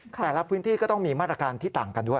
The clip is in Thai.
แต่ละพื้นที่ก็ต้องมีมาตรการที่ต่างกันด้วย